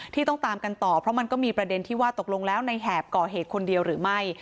ต้องตามกันต่อเพราะมันก็มีประเด็นที่ว่าตกลงแล้วในแหบก่อเหตุคนเดียวหรือไม่